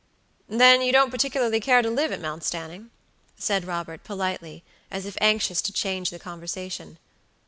"Then you don't particularly care to live at Mount Stanning?" said Robert, politely, as if anxious to change the conversation.